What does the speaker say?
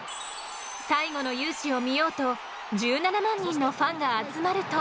最後の雄姿を見ようと１７万人のファンが集まると。